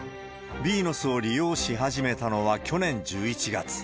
ビーノスを利用し始めたのは去年１１月。